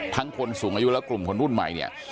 คนสูงอายุและกลุ่มคนรุ่นใหม่เนี่ย